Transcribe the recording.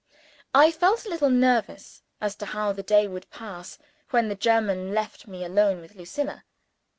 I felt a little nervous as to how the day would pass when the German left me alone with Lucilla.